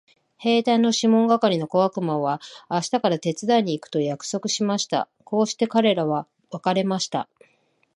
兵隊のシモン係の小悪魔は明日から手伝いに行くと約束しました。こうして彼等は別れました。